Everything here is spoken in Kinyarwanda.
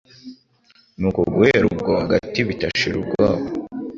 Nuko guhera ubwo Gatibita ashira ubwoba